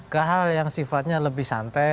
ke hal yang sifatnya lebih santai